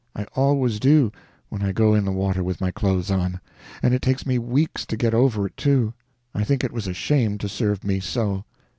I always do, when I go in the water with my clothes on. And it takes me weeks to get over it, too. I think it was a shame to serve me so."